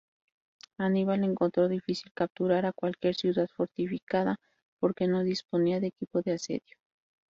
Aníbal encontró difícil capturar cualquier ciudad fortificada, porque no disponía de equipo de asedio.